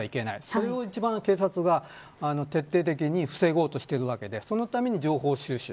それを一番、警察が徹底的に防ごうとしているわけでそのための情報収集。